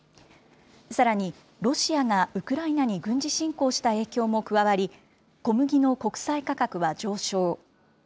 さらに、ロシアがウクライナに軍事侵攻した影響も加わり、小麦の国際価格は上昇。